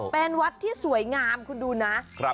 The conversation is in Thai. เป็นวัดที่สวยงามคุณดูนะ